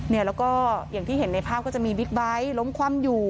แล้วก็อย่างที่เห็นในภาพก็จะมีบิ๊กไบท์ล้มคว่ำอยู่